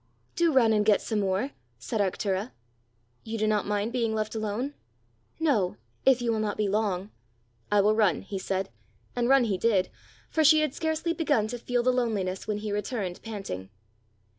"Do run and get some more," said Arctura. "You do not mind being left alone?" "No if you will not be long." "I will run," he said and run he did, for she had scarcely begun to feel the loneliness when he returned panting.